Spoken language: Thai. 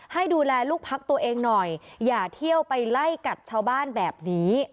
ให้ดูแลลูกพักตัวเองหน่อยอย่าเที่ยวไปไล่กัดชาวบ้านแบบนี้